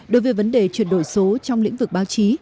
đối với vấn đề chuyển đổi số trong lĩnh vực báo chí